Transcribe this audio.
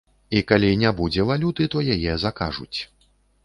І калі не будзе валюты, то яе закажуць.